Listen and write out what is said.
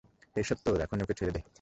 এইসব তোর, এখন ওকে ছেড়ে দে।